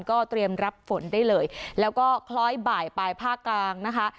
ก็เตรียมรับฝนได้เลยแล้วก็คล้อยบ่ายไปภาคกลางนะคะ